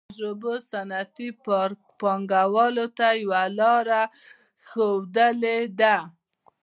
تجربو صنعتي پانګوالو ته یوه لار ښودلې ده